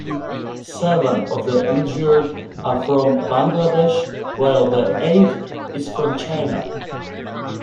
Seven of the injured are from Bangladesh while the eighth is from China.